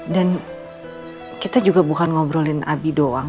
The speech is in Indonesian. dan kita juga bukan ngobrolin abi doang